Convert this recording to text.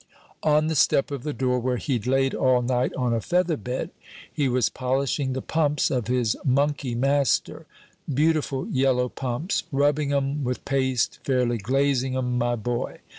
"On the step of the door where he'd laid all night on a feather bed, he was polishing the pumps of his monkey master beautiful yellow pumps rubbing 'em with paste, fairly glazing 'em, my boy.